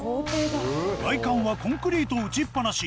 外観はコンクリート打ちっぱなし。